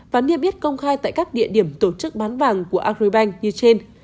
và niệm biết công khai tại các địa điểm tổ chức bán vàng của agribank như trên